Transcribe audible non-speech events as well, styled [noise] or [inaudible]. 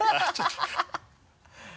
ハハハ [laughs]